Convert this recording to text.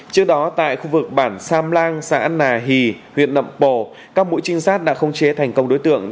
trước đó tại khu vực bản sam lang xã nà hì huyện nậm pồ các mũi trinh sát đã không chế thành công đối tượng